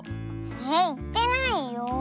えっいってないよ。